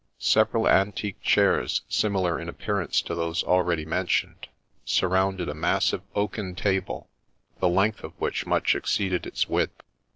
Several antique chairs, similar in appearance to those already mentioned, surrounded a massive oaken table, the length of which much exceeded its width.